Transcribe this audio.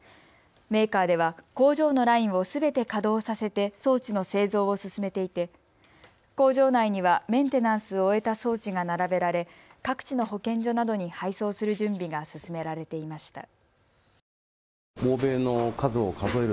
メーカーでは工場のラインをすべて稼働させて装置の製造を進めていて工場内にはメンテナンスを終えた装置が並べられ各地の保健所などに配送する準備が進められていました。